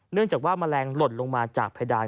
เนื่องจากว่าแมลงหล่นลงมาจากเพดาน